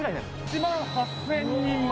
１万８０００人前？